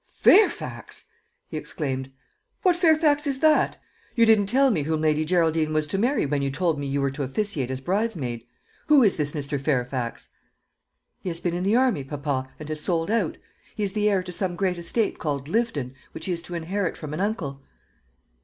"Fairfax!" he exclaimed; "what Fairfax is that? You didn't tell me whom Lady Geraldine was to marry when you told me you were to officiate as bridesmaid. Who is this Mr. Fairfax?" "He has been in the army, papa, and has sold out. He is the heir to some great estate called Lyvedon, which he is to inherit from an uncle."